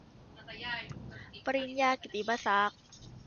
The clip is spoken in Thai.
ปริญญากิตติมศักดิ์